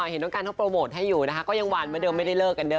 เห็นว่าชิมเขาโพสไตล์ให้อยู่นะก็ยังหวานเหมือนเดิมไม่ได้เลิกกันเนอะ